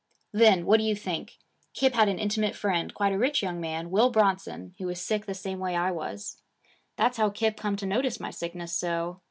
'Then what do you think Kip had an intimate friend, quite a rich young man, Will Bronson, who was sick the same way I was. That's how Kip come to notice my sickness so.